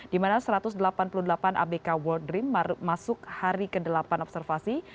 di mana satu ratus delapan puluh delapan abk world dream masuk hari ke delapan observasi